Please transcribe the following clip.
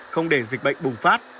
không để dịch bệnh bùng phát